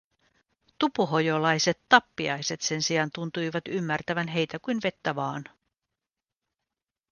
Tupuhojolaiset tappiaiset sen sijaan tuntuivat ymmärtävän heitä kuin vettä vaan.